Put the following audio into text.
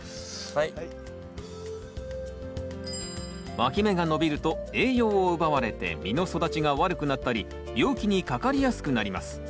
わき芽が伸びると栄養を奪われて実の育ちが悪くなったり病気にかかりやすくなります